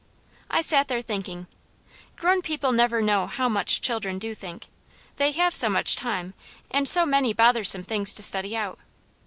I sat there thinking; grown people never know how much children do think, they have so much time, and so many bothersome things to study out.